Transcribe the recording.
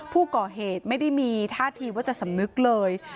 ผู้ก่อเหตุไม่ได้มีท่าทีว่าจะสำนึกเลย